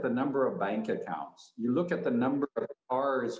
anda melihat jumlah akun bank